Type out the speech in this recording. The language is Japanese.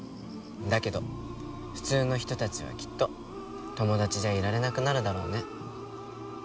だけど普通の人たちはきっと友達じゃいられなくなるだろうね。